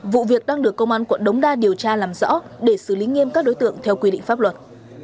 vụ việc đang được công an quận đống đa điều tra làm rõ để xử lý nghiêm các đối tượng theo quy định pháp luật